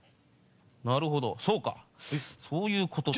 なるほどそうかそういうことか。